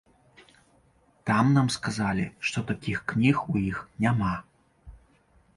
Там нам сказалі, што такіх кніг у іх няма.